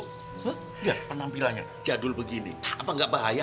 lihat penampilannya jadul begini pak apa gak bahaya